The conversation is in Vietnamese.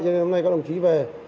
cho nên hôm nay các đồng chí về